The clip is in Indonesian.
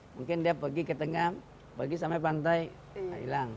mungkin dia pergi ke tengah pergi sampai pantai hilang